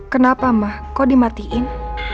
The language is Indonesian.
kenapa ma kok dimatiin